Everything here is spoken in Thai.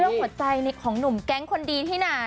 เรื่องหัวใจของนุ่มแกงคนดีที่ไหน